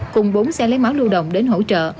cùng bốn xe lấy máu lưu động đến hỗ trợ